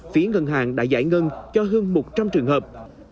phía ngân hàng đã giải ngân cho hơn một trăm linh trường hợp